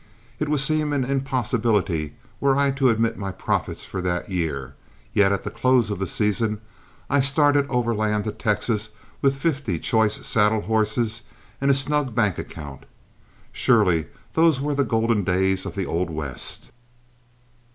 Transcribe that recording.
It would seem an impossibility were I to admit my profits for that year, yet at the close of the season I started overland to Texas with fifty choice saddle horses and a snug bank account. Surely those were the golden days of the old West.